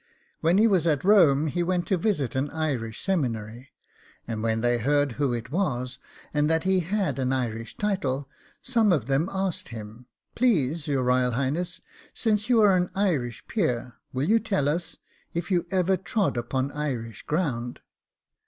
When he was at Rome he went to visit an Irish seminary, and when they heard who it was, and that he had an Irish title, some of them asked him, 'Please your Royal Highness, since you are an Irish peer, will you tell us if you ever trod upon Irish ground?